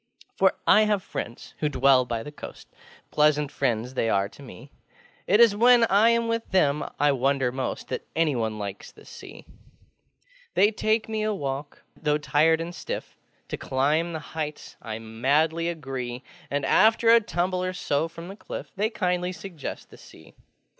For I have friends who dwell by the coastŌĆö Pleasant friends they are to me! It is when I am with them I wonder most That anyone likes the Sea. They take me a walk: though tired and stiff, To climb the heights I madly agree; And, after a tumble or so from the cliff, They kindly suggest the Sea.